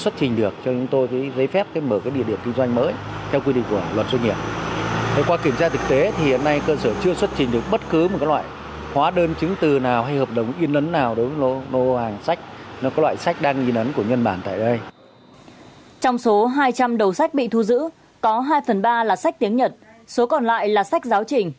trong số hai trăm linh đầu sách bị thu giữ có hai phần ba là sách tiếng nhật số còn lại là sách giáo trình